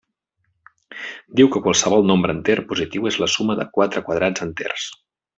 Diu que qualsevol nombre enter positiu és la suma de quatre quadrats enters.